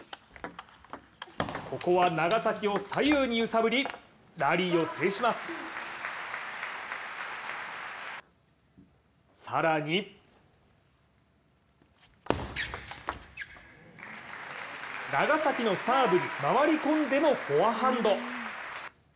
ここは長崎を左右に揺さぶりラリーを制します、更に長崎のサーブに回り込んでのフォアハンド。